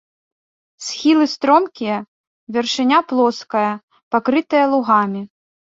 Схілы стромкія, вяршыня плоская, пакрытая лугамі.